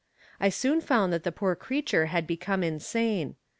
I soon found out that the poor creature had become insane.